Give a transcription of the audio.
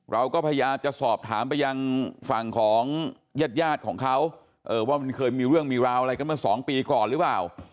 เราก็พยายามจะสอบถามไปยังฝั่งของญาติของเขาว่ามันเคยมีเรื่องมีราวอะไรกันเมื่อสองปีก่อนหรือเปล่า